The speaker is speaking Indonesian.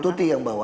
ibu tuti yang bawa